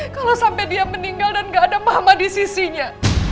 kalau sampai dia meninggal dan gak ada mama di sisinya